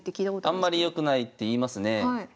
あんまりよくないっていいますね。